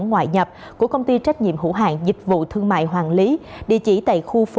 ngoại nhập của công ty trách nhiệm hữu hạng dịch vụ thương mại hoàng lý địa chỉ tại khu phố